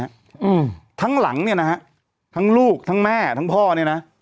อืมทั้งหลังเนี้ยนะฮะทั้งลูกทั้งแม่ทั้งพ่อเนี้ยน่ะ